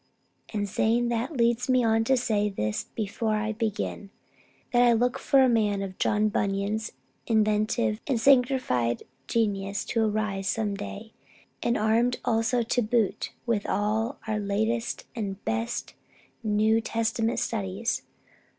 And, saying that leads me on to say this before I begin, that I look for a man of John Bunyan's inventive and sanctified genius to arise some day, and armed also to boot with all our latest and best New Testament studies.